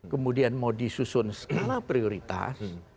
kemudian mau disusun skala prioritas